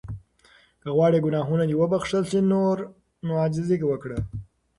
که غواړې ګناهونه دې وبخښل شي نو عاجزي وکړه.